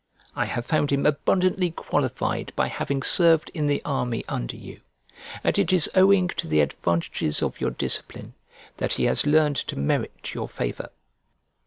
I have found him abundantly qualified by having served in the army under you; and it is owing to the advantages of your discipline that he has learned to merit your favour.